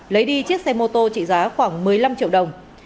lấy đi chiếc xe mô tô trị giá khoảng một mươi năm triệu đồng